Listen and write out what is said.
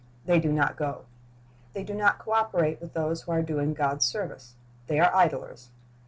They do not go. They do not co operate with those who are doing God's service. They are idlers.